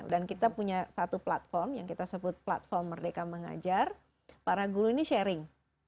dan kita punya satu platform yang kita sebut platform merdeka mengajar para guru ini sharing